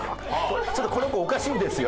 ちょっとこの子おかしいんですよ。